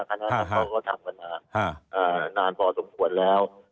คณะตำรวจก็ทำกันมานานพอสมควรแล้ว